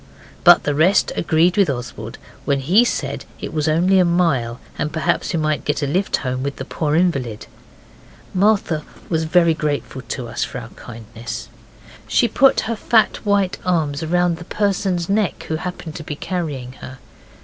But the rest agreed with Oswald when he said it was only a mile, and perhaps we might get a lift home with the poor invalid. Martha was very grateful to us for our kindness. She put her fat white arms round the person's neck who happened to be carrying her.